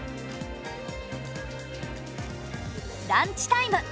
ランチタイム。